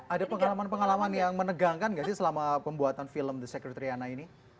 ada pengalaman pengalaman yang menegangkan nggak sih selama pembuatan film the secret riana ini